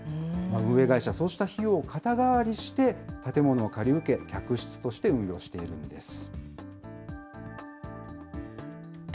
運営会社、そうした費用を肩代わりして、建物を借り受け、客室として運用しているんです。